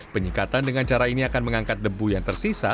penyekatan dengan cara ini akan mengangkat debu yang tersisa